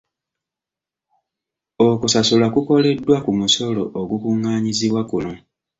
Okusasulwa kukoleddwa ku musolo ogukungaanyizibwa kuno.